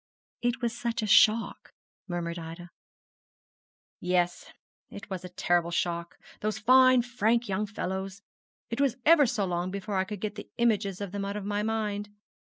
'It was such a shock,' murmured Ida. 'Yes, it was a terrible shock. Those fine frank young fellows! It was ever so long before I could get the images of them out of my mind.